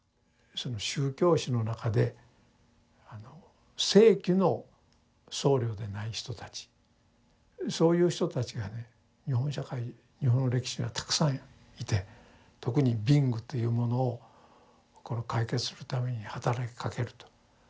宗教史の中で正規の僧侶でない人たちそういう人たちがね日本社会日本の歴史にはたくさんいて特に貧苦というものを解決するためにはたらきかけると。